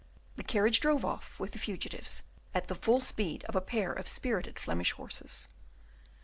The carriage drove off with the fugitives at the full speed of a pair of spirited Flemish horses.